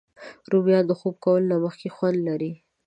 رومیان د خوب کولو نه مخکې خوند لري